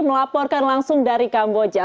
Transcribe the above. melaporkan langsung dari kamboja